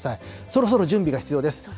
そろそろ準備が必要です。